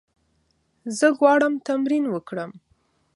زه غواړم تمرین وکړم.